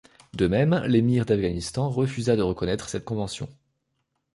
De même, l’émir d’Afghanistan refusa de reconnaître cette convention.